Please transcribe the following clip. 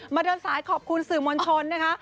เดินสายขอบคุณสื่อมวลชนนะคะ